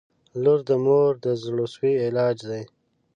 • لور د مور د زړسوي علاج دی.